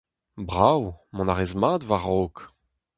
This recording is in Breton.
Brav, mont a rez mat war-raok !